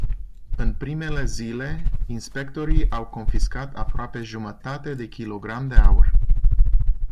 În primele zile inspectorii au confiscat aproape jumătate de kilogram de aur.